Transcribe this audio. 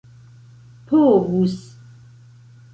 povus